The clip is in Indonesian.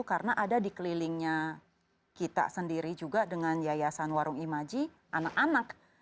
karena ada di kelilingnya kita sendiri juga dengan yayasan warung imaji anak anak